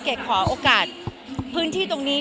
ขอโอกาสพื้นที่ตรงนี้